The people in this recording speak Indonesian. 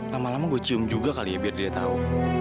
lama lama gue cium juga kali ya biar dia tahu